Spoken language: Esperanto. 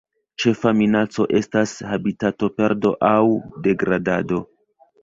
Ĉefa minaco estas habitatoperdo aŭ degradado.